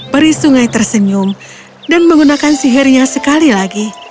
peri sungai tersenyum dan menggunakan sihirnya sekali lagi